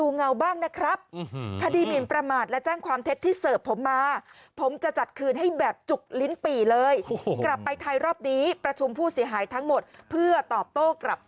นักข่าวจะดังอีกครั้งหนึ่งนะครับ